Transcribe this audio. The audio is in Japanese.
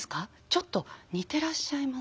ちょっと似てらっしゃいませんか？